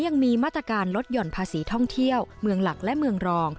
ยังมีมาตรการลดหย่อนภาษีท่องเที่ยวเมืองหลักและเมืองรอง